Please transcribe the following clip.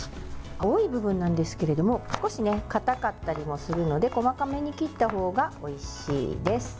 青い部分ですが少しかたかったりもするので細かめに切ったほうがおいしいです。